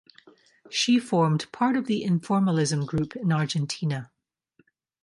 She formed part of the Informalism group in Argentina.